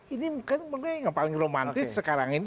ini mungkin yang paling romantis sekarang ini